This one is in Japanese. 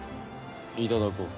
いただこう。